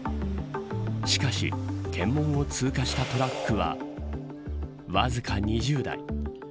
しかし、検問を通過したトラックはわずか２０台。